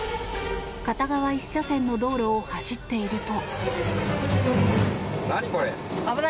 片側１車線の道路を走っていると。